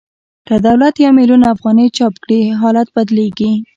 که دولت یو میلیون افغانۍ چاپ کړي حالت بدلېږي